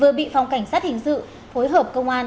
vừa bị phòng cảnh sát hình sự phối hợp công an